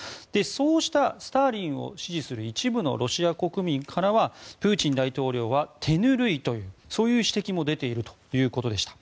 そうしたスターリンを支持する一部のロシア国民からはプーチン大統領は手ぬるいというそういう指摘も出ているということでした。